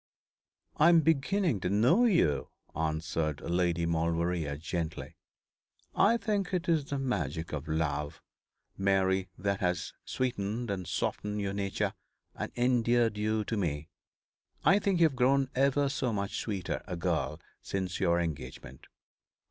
'I am beginning to know you,' answered Lady Maulevrier, gently. 'I think it is the magic of love, Mary, that has sweetened and softened your nature, and endeared you to me. I think you have grown ever so much sweeter a girl since your engagement.